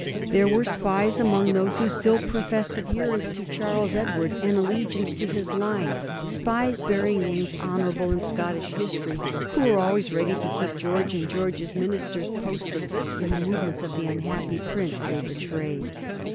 There were spies among those who still professed adherence to Charles Edward and allegiance to his line, spies bearing names honorable in Scottish history, who were always ready to keep George and George's ministers posted in the movements of the unhappy Prince they betrayed.